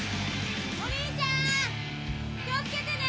お兄ちゃん気を付けてね！